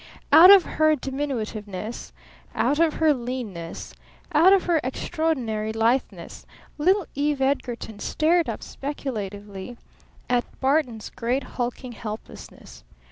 Out of her diminutiveness, out of her leanness, out of her extraordinary litheness, little Eve Edgarton stared up speculatively at Barton's great hulking helplessness.